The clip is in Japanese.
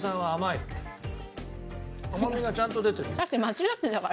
甘みがちゃんと出てる。